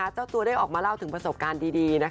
เจ้าตัวได้ออกมาเล่าถึงประสบการณ์ดี